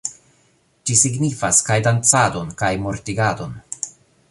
Ĝi signifas kaj dancadon kaj mortigadon